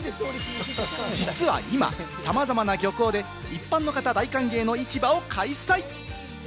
実は今、さまざまな漁港で一般の方、大歓迎の市場を開催。